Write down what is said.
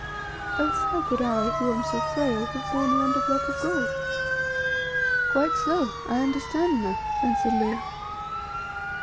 Else, how could I, who am so frail, have borne yonder block of gold?" "Quite so! I understand now," answered Leo.